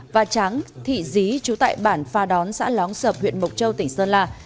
và tráng thị dí chú tại bản pha đón xã lóng sập huyện mộc châu tỉnh sơn la